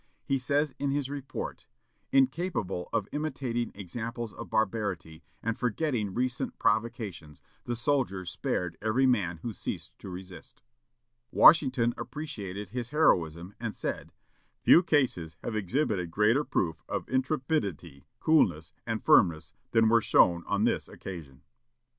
He says in his report, "Incapable of imitating examples of barbarity, and forgetting recent provocations, the soldiers spared every man who ceased to resist." Washington appreciated his heroism, and said, "Few cases have exhibited greater proof of intrepidity, coolness, and firmness than were shown on this occasion."